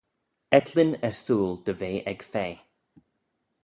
Etlin ersooyl dy ve ec fea!